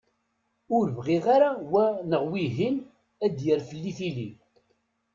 Ur bɣiɣ ara wa neɣ wihin ad d-yerr fell-i tili.